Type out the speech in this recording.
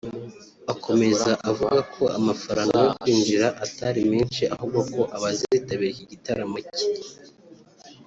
Akomeza avuga ko amafaranga yo kwinjira atari menshi ahubwo ko abazitabira iki gitaramo cye